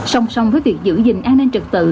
song song với việc giữ gìn an ninh trật tự